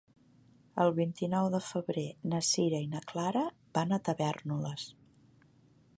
El vint-i-nou de febrer na Sira i na Clara van a Tavèrnoles.